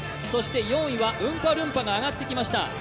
４位はウンパルンパが上がってきました。